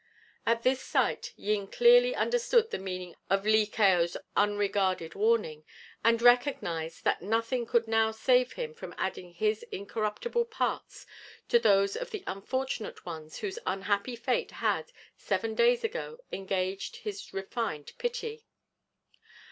At this sight Yin clearly understood the meaning of Li Kao's unregarded warning, and recognized that nothing could now save him from adding his incorruptible parts to those of the unfortunate ones whose unhappy fate had, seven days ago, engaged his refined pity.